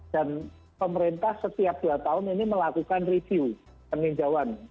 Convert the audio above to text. dan pemerintah setiap dua tahun ini melakukan review peninjauan